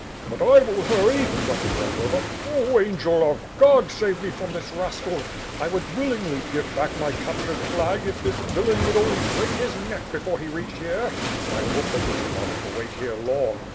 "But I will hurry," grunted Zagloba. "Oh, Angel of God, save me from this rascal! I would willingly give back my captured flag if this villain would only break his neck before he reached here. I hope that we shall not have to wait here long.